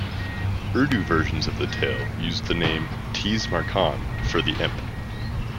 Urdu versions of the tale used the name "Tees Mar Khan" for the imp.